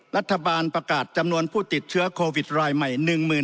รัฐบาลประกาศจำนวนผู้ติดเชื้อโควิดรายใหม่